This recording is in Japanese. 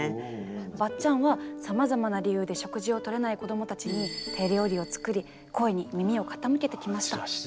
ばっちゃんはさまざまな理由で食事をとれない子どもたちに手料理を作り声に耳をかたむけてきました。